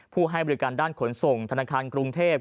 ให้บริการด้านขนส่งธนาคารกรุงเทพ